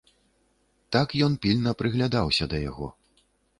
Так ён пільна прыглядаўся да яго.